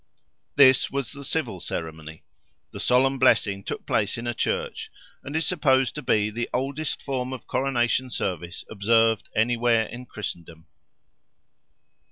This was the civil ceremony; the solemn blessing took place in a church, and is supposed to be the oldest form of coronation service observed anywhere in Christendom.